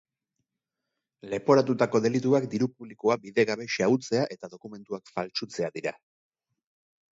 Leporatutako delituak diru publikoa bidegabe xahutzea eta dokumentuak faltsutzea dira.